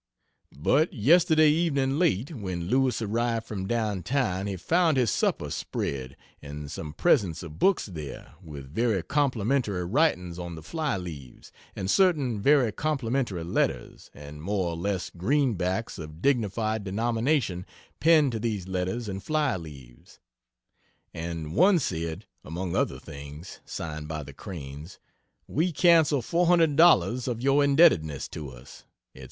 But yesterday evening late, when Lewis arrived from down town he found his supper spread, and some presents of books there, with very complimentary writings on the fly leaves, and certain very complimentary letters, and more or less greenbacks of dignified denomination pinned to these letters and fly leaves, and one said, among other things, (signed by the Cranes) "We cancel $400 of your indebtedness to us," &c.